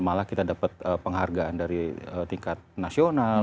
malah kita dapat penghargaan dari tingkat nasional